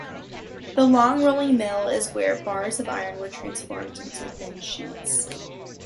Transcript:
The long rolling mill is where bars of iron were transformed into thin sheets.